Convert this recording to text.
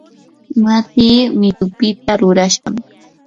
matii mitupita rurashqam.